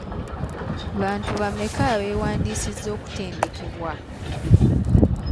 Bantu bameka abewandiisizza okutendekebwa?